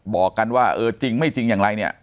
บอกกันว่าเออจริงไม่จริงอย่างไรเนี่ย